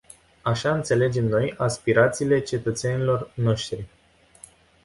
Așa înțelegem noi aspirațiile cetățenilor noștri.